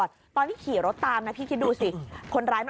มันกลับมาที่สุดท้ายแล้วมันกลับมาที่สุดท้ายแล้ว